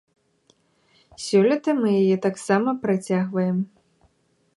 Сёлета мы яе таксама працягваем.